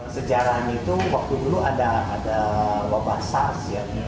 sejarahnya itu waktu dulu ada wabah sars ya